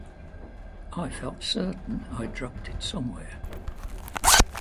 I felt certain I'd dropped it somewhere.